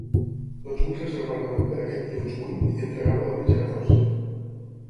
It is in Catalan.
Doncs vull reservar-ne un per aquest dilluns vuit i entregar-lo diumenge catorze.